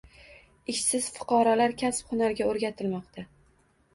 Ishsiz fuqarolar kasb-hunarga o‘rgatilmoqda